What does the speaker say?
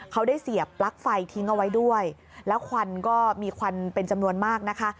เขาได้เสียบปลั๊กไฟทิ้งเอาไว้ด้วยแล้วควันก็มีควันเป็นจำนวนมากนะคะ